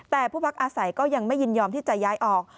แต่ผู้พักอาศัยก็ยังไม่ยินยอมที่จะย้ายออก